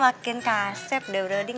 makin kasep dah boroding